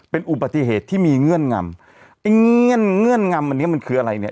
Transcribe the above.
เป็นอุบัติเหตุที่มีเงื่อนงำไอ้เงื่อนเงื่อนงำอันนี้มันคืออะไรเนี่ย